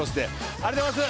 ありがとうございます。